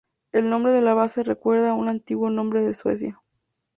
El nombre de la base recuerda a un antiguo nombre de Suecia.